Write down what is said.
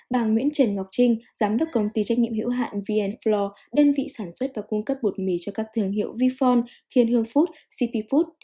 bàng nguyễn trần ngọc trinh giám đốc công ty trách nhiệm hiểu hạn vnfloor đơn vị sản xuất và cung cấp bột mì cho các thương hiệu vifon thiên hương food cp food